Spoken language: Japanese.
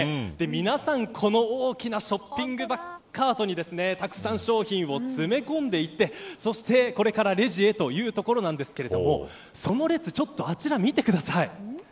皆さんこの大きなショッピングカートにたくさん商品を詰め込んでいてそしてこれからレジへというところですがその列、ちょっとあちらを見てください。